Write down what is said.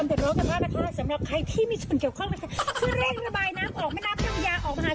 อันนี้รักจริงนะคะต้องช่วยชีวิตต้นไม้ฝั่งทานไม่ได้นะคะ